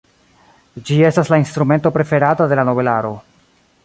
Ĝi estas la instrumento preferata de la nobelaro.